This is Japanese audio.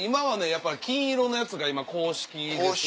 やっぱり金色のやつが公式ですね。